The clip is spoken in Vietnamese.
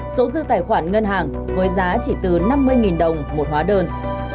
số dư tài khoản ngân hàng với giá chỉ từ năm mươi đồng một hóa đơn